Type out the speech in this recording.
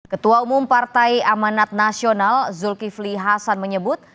ketua umum partai amanat nasional zulkifli hasan menyebut